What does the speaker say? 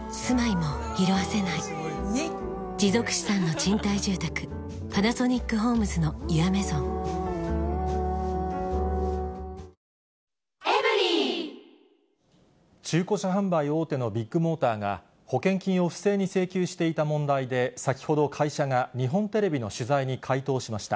持続資産の賃貸住宅「パナソニックホームズのユアメゾン」中古車販売大手のビッグモーターが保険金を不正に請求していた問題で、先ほど会社が日本テレビの取材に回答しました。